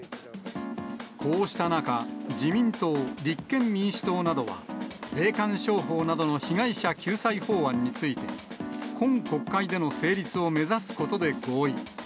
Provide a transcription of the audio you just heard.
こうした中、自民党、立憲民主党などは、霊感商法などの被害者救済法案について、今国会での成立を目指すことで合意。